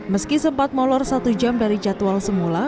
meski sempat molor satu jam dari jadwal semula